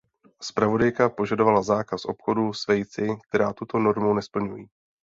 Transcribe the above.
Zpravodajka požadovala zákaz obchodu s vejci, která tuto normu nesplňují.